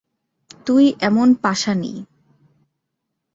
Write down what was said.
তুই এমন পাষাণী!